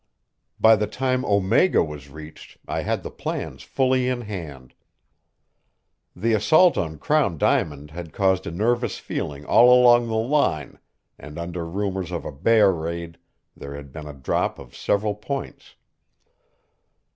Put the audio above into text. By the time Omega was reached I had the plans fully in hand. The assault on Crown Diamond had caused a nervous feeling all along the line, and under rumors of a bear raid there had been a drop of several points.